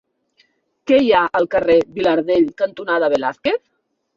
Què hi ha al carrer Vilardell cantonada Velázquez?